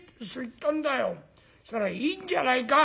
そしたら『いいんじゃないか。